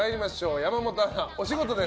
山本アナ、お仕事です。